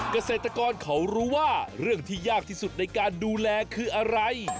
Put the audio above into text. เกษตรกรเขารู้ว่าเรื่องที่ยากที่สุดในการดูแลคืออะไร